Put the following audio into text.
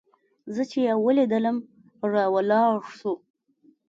زه چې يې ولېدلم راولاړ سو.